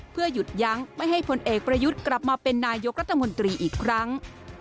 เพื่อหยุดยั้งไม่ให้พลเอกประยุทธ์กลับมาเป็นนายกรัฐมนตรีอีกครั้ง